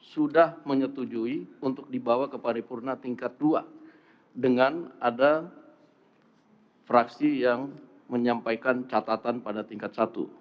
sudah menyetujui untuk dibawa ke paripurna tingkat dua dengan ada fraksi yang menyampaikan catatan pada tingkat satu